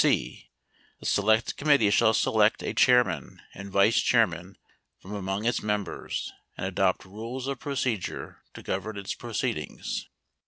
no •■ m (c) The select committee shall select a chairman and * vice chairman from among its members, and adopt rules of nc procedure to govern its proceedings.